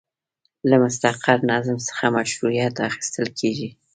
له مستقر نظم څخه مشروعیت اخیستل کیږي.